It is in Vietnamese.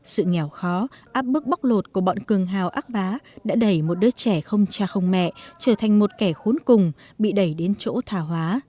sự nghèo khó áp bức bóc lột của bọn cường hào ác bá đã đẩy một đứa trẻ không cha không mẹ trở thành một kẻ khốn cùng bị đẩy đến chỗ thà hóa